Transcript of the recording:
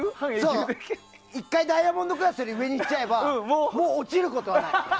１回ダイヤモンドクラスより上にいっちゃえばもう落ちることはない。